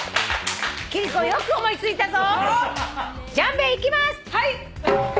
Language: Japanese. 貴理子よく思い付いたぞ。